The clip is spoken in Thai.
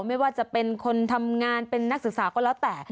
ไม่ว่าจะเป็นคนทำงานเป็นนักศึกษาก็แล้วแต่